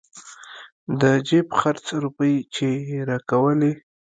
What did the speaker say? د جيب خرڅ روپۍ چې يې راکولې.